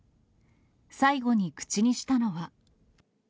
最後に口にしたのは。